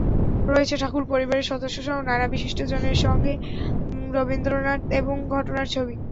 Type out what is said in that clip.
রয়েছে ঠাকুর পরিবারের সদস্যসহ নানা বিশিষ্টজনের সঙ্গে রবীন্দ্রনাথ এবং ঘটনার ছবি।